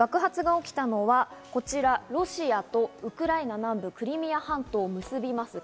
爆発が起きたのは、こちら、ロシアとウクライナ南部、クリミア半島を結びます